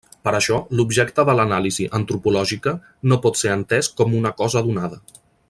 Per això, l'objecte de l'anàlisi antropològica no pot ser entès com una cosa donada.